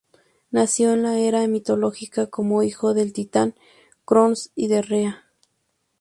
Nació en la Era mitológica como hijo del Titán Cronos y de Rea.